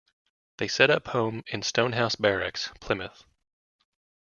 They set up home in Stonehouse Barracks, Plymouth.